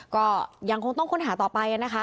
ก็ยังคงต้องค้นหาต่อไปนะคะ